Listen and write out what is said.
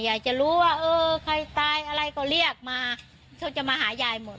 อยากจะรู้ว่าเออใครตายอะไรก็เรียกมาเขาจะมาหายายหมด